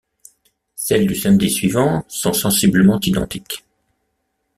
Celles du samedi suivant sont sensiblement identiques.